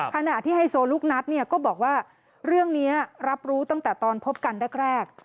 ขนาดที่ให้โซลุกนัดเนี่ยก็บอกว่าเรื่องนี้รับรู้ตั้งแต่ตอนพบกันแรก